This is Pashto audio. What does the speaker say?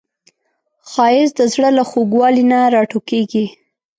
ښایست د زړه له خوږوالي نه راټوکېږي